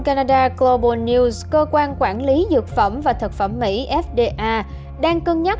canada global news cơ quan quản lý dược phẩm và thực phẩm mỹ đang cân nhắc